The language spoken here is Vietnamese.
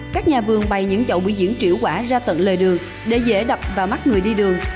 các nhà vườn bày những chậu bữa diễn triệu quả ra tận lề đường để dễ đập và mắc người đi đường